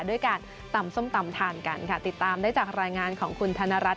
ด้วยการตำส้มตำทานกันค่ะติดตามได้จากรายงานของคุณธนรัฐ